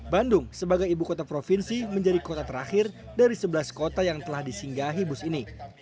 bandung sebagai ibu kota provinsi menjadi kota terakhir dari sebelas kota yang telah disinggahi bus ini